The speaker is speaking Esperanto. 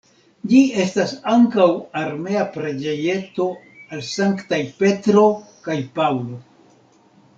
Ĝi estas ankaŭ armea preĝejeto al sanktaj Petro kaj Paŭlo.